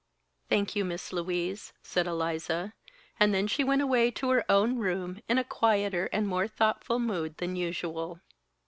"Thank you, Miss Louise," said Eliza, and then she went away to her own room in a quieter and more thoughtful mood than usual.